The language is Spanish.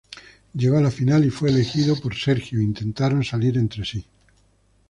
Llegó a la final y fue elegido por Sergio e intentaron salir entre sí.